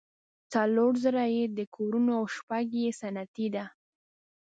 څلور زره یې د کورونو او شپږ یې صنعتي ده.